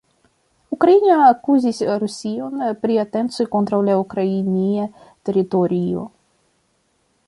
Ukrainio akuzis Rusion pri atencoj kontraŭ la ukrainia teritorio.